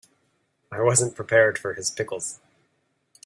I wasn't prepared for his pickles.